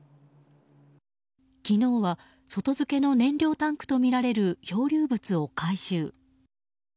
昨日は外付けの燃料タンクとみられる漂流物を回収。